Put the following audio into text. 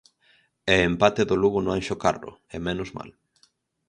E empate do Lugo no Anxo Carro, e menos mal.